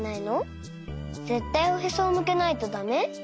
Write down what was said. ぜったいおへそをむけないとだめ？